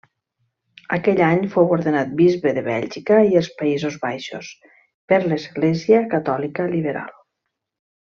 Aquell any fou ordenat bisbe de Bèlgica i els Països Baixos per l'Església Catòlica Liberal.